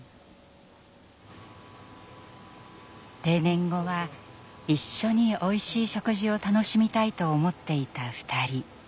定年後は一緒においしい食事を楽しみたいと思っていた２人。